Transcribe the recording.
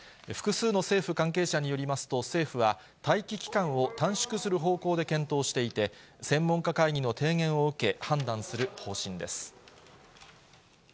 複数の政府関係者によりますと、政府は、待機期間を短縮する方向で検討していて、専門家会議の提言を受け、判断する方針です。